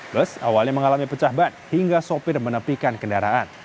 bus awalnya mengalami pecah ban hingga sopir menepikan kendaraan